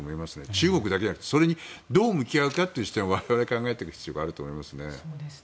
中国だけじゃなくどう向き合うかという視点を我々は考えていく必要があると思いますね。